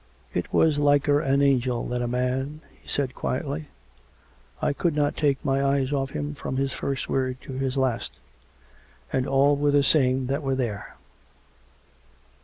" It was liker an angel than a man," he said quietly. " I could not take my eyes off him from his first word to the last. And all were the same that were there."